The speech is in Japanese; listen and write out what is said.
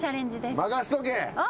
任しとけ！